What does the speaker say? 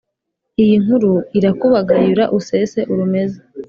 Iyi nkuru irakubagayura usese urumeza